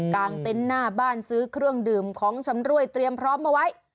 งเต็นต์หน้าบ้านซื้อเครื่องดื่มของชำรวยเตรียมพร้อมเอาไว้